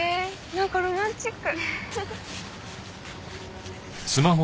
なんかロマンチック。